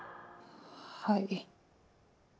はい。